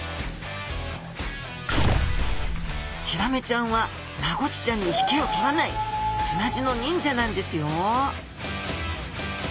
ヒラメちゃんはマゴチちゃんに引けをとらない砂地の忍者なんですよ！